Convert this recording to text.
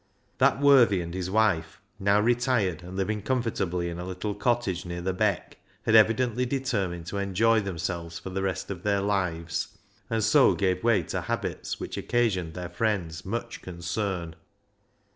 That worthy and his wife, now retired and living comfortably in a little cottage near the " Beck," had evidently determined to enjoy themselves for the rest of their lives, and so gave way to habits which occasioned their friends much concern.